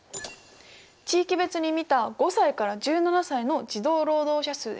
地域別に見た５歳から１７歳の児童労働者数です。